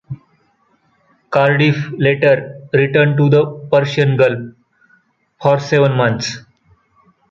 "Cardiff" later returned to the Persian Gulf for seven months.